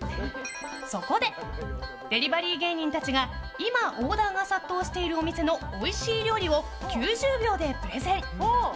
そこで、デリバリー芸人たちが今オーダーが殺到しているお店のおいしい料理を９０秒でプレゼン！